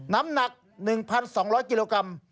น้ำหนัก๑๒๐๐กิโลกรัม